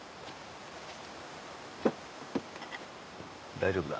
大丈夫だ。